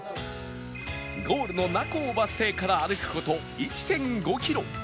ゴールの仲尾バス停から歩く事 １．５ キロ